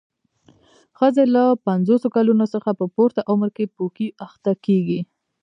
ښځې له پنځوسو کلونو څخه په پورته عمر کې پوکي اخته کېږي.